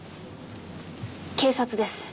警察です。